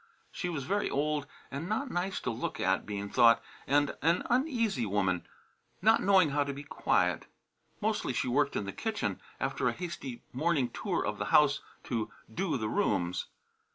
She was very old and not nice to look at, Bean thought; and an uneasy woman, not knowing how to be quiet. Mostly she worked in the kitchen, after a hasty morning tour of the house to "do" the rooms.